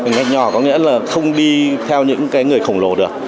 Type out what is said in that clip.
ngạch nhỏ có nghĩa là không đi theo những người khổng lồ được